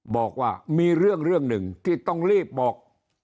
บอกว่ามีเรื่องเรื่องหนึ่งที่ต้องรีบบอก